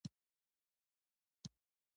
دا وطن د هر نعمت کور دی.